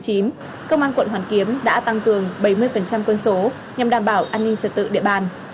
công an quận hoàn kiếm đã tăng cường bảy mươi quân số nhằm đảm bảo an ninh trật tự địa bàn